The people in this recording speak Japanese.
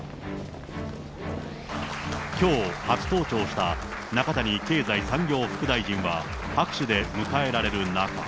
きょう初登庁した中谷経済産業副大臣は、拍手で迎えられる中。